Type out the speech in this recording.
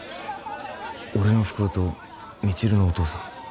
俺のお袋と未知留のお父さん